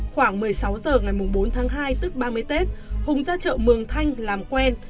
khoảng một mươi sáu h ngày bốn tháng hai tức ba mươi tết hùng ra chợ mường thanh làm quen